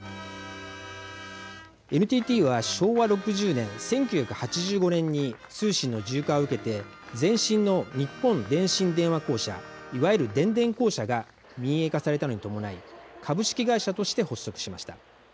ＮＴＴは昭和６０年１９８５年に通信の自由化を受けて前身の日本電信電話公社いわゆる電電公社が民営化されたのに伴い株式会社として発足しました。